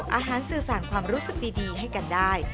สื่อสารความรู้สึกดีให้กันได้